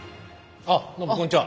どうもこんにちは。